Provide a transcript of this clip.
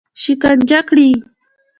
شکنجه کړي.